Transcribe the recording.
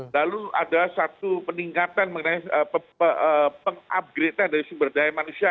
lalu ada satu peningkatan mengenai pengupgrade dari sumber daya manusia